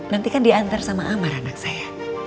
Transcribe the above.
nanti kan diantar sama amar anak saya